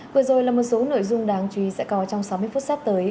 vừa rồi là một số nội dung đáng chú ý sẽ có trong sáu mươi phút sắp tới